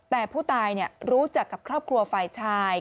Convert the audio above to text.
แต่ผู้ตายรู้จักกับครอบครัวฝ่ายชาย